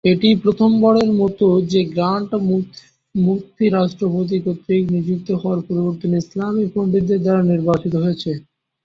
এটিই প্রথমবারের মতো যে গ্র্যান্ড মুফতি রাষ্ট্রপতি কর্তৃক নিযুক্ত হওয়ার পরিবর্তে ইসলামী পণ্ডিতদের দ্বারা নির্বাচিত হয়েছেন।